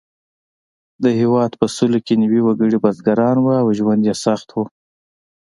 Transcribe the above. د هېواد په سلو کې نوي وګړي بزګران وو او ژوند یې سخت و.